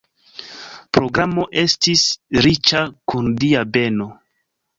Programo estis riĉa kun Dia beno.